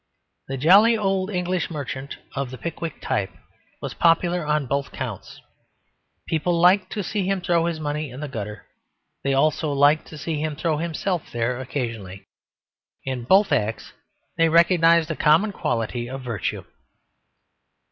The jolly old English merchant of the Pickwick type was popular on both counts. People liked to see him throw his money in the gutter. They also liked to see him throw himself there occasionally. In both acts they recognised a common quality of virtue.